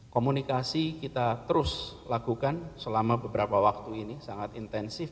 komunikasi kita terus lakukan selama beberapa waktu ini sangat intensif